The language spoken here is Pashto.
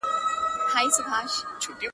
گراني خبري سوې د وخت ملكې .